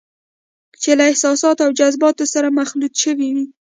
چې له احساساتو او جذباتو سره مخلوطې شوې وي.